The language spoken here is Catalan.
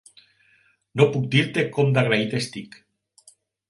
No puc dir-te com d'agraït estic.